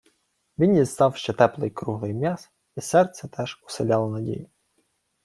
Він дістав ще теплий круглий м'яз, і серце теж уселяло надію.